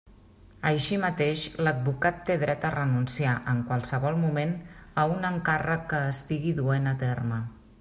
Així mateix, l'advocat té dret a renunciar, en qualsevol moment, a un encàrrec que estigui duent a terme.